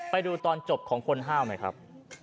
ไปดูตอนจบของคนห้าวหน่อยครับ